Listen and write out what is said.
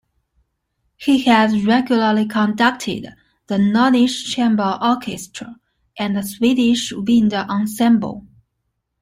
He has regularly conducted the Nordic Chamber Orchestra and the Swedish Wind Ensemble.